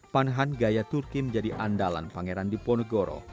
panahan gaya turki menjadi andalan pangeran diponegoro